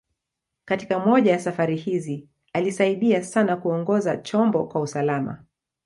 Katika moja ya safari hizi, alisaidia sana kuongoza chombo kwa usalama.